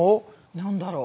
何だろう？